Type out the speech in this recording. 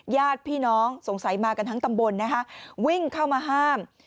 ญาติพี่น้องสงสัยมากันทั้งตำบลนะคะวิ่งเข้ามาห้าม